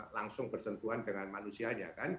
langsung bersentuhan dengan manusianya kan